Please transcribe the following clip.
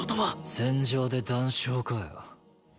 戦場で談笑かよ。